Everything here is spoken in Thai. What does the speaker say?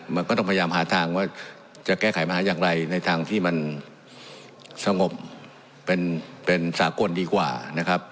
มันก็ต้องพยายามหาทางว่าจะแก้ไขมาหาอย่างไรในทางที่มันสงบเป็นสากลดีกว่านะครับ